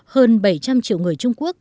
hơn bảy trăm linh triệu người trung quốc